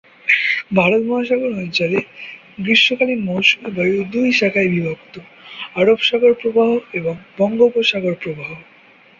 ভারত মহাসাগর অঞ্চলে গ্রীষ্মকালীন মৌসুমি বায়ু দুই শাখায় বিভক্ত: আরব সাগর প্রবাহ এবং বঙ্গোপসাগর প্রবাহ।